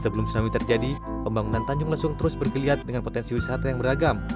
sebelum tsunami terjadi pembangunan tanjung lesung terus bergeliat dengan potensi wisata yang beragam